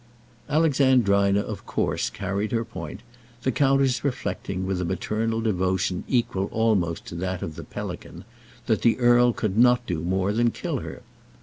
Alexandrina of course carried her point, the countess reflecting with a maternal devotion equal almost to that of the pelican, that the earl could not do more than kill her.